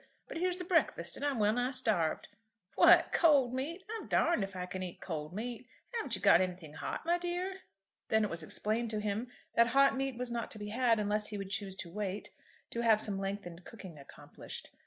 But here's the breakfast, and I'm well nigh starved. What, cold meat! I'm darned if I can eat cold meat. Haven't you got anything hot, my dear?" Then it was explained to him that hot meat was not to be had, unless he would choose to wait, to have some lengthened cooking accomplished.